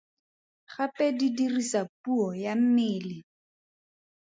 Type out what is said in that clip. Gape di dirisa puo ya mmele.